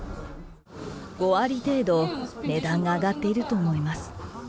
５割程度、値段が上がっていると思います。